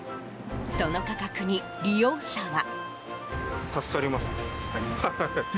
その価格に利用者は。